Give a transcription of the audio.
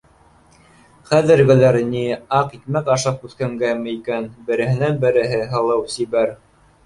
Хәҙергеләр ни, аҡ икмәк ашап үҫкәнгәме икән, береһенән- береһе һылыу, сибәр